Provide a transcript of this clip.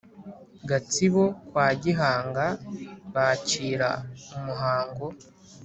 gatsibo kwa gihanga bakira umuhango